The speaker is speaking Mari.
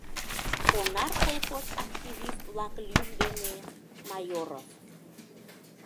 «Онар» колхоз активист-влак лӱм дене Майоров.